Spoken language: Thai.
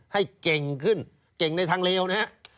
ให้เก่งขึ้นเก่งในทางเลวนะฮะ